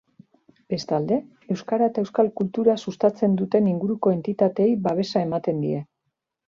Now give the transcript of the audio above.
Bestalde, euskara eta euskal kultura sustatzen duten inguruko entitateei babesa ematen die.